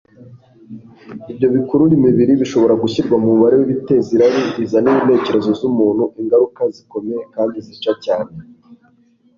ibyo bikurura imibiri bishobora gushyirwa mu mubare w'ibiteza irari rizanira intekerezo z'umuntu ingaruka zikomeye kandi zica cyane